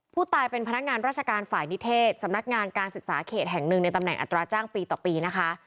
ผู้ตายเป็นพนักงานราชการฝ่ายนิเทศสำนักงานการศึกษาเขตแห่งหนึ่งในตำแหัตราจ้างปีต่อปีนะคะ